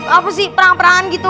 apa sih perang perangan gitu